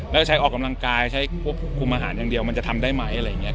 แล้วใช้ออกกำลังกายใช้ควบคุมอาหารอย่างเดียวมันจะทำได้ไหมอะไรอย่างนี้